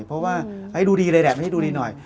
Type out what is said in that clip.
เพราะว่าให้ดูดีเลยนะ